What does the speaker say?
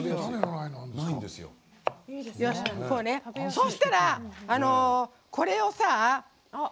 そしたら、これをさ